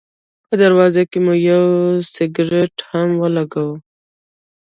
په دروازه کې مې یو سګرټ هم ولګاوه.